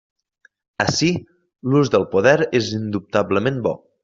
Ací l'ús del poder és indubtablement bo.